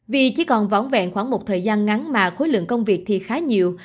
vì chỉ còn vón vẹn khoảng một thời gian ngắn mà khối lượng công việc thì khá nhiều